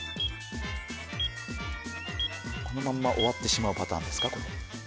このまんま終わってしまうパターンですか？